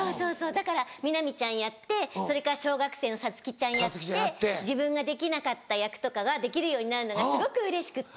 だから南ちゃんやってそれから小学生のサツキちゃんやって自分ができなかった役とかができるようになるのがすごくうれしくって。